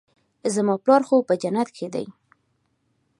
زما پلار خو په جنت کښې دى.